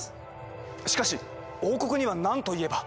しかし王国には何と言えば。